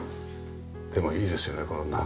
でもいいですよね。